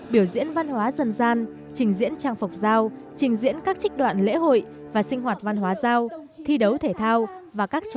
biểu diễn văn hóa dân gian trình diễn trang phục giao trình diễn các trích đoạn lễ hội và sinh hoạt văn hóa giao thi đấu thể thao và các trang trại